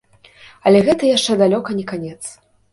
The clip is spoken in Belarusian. Але гэта яшчэ далёка не канец.